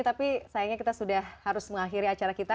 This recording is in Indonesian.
tapi sayangnya kita sudah harus mengakhiri acara kita